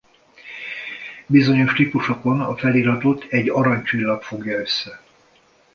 Bizonyos típusokon a feliratot egy arany csillag fogja össze.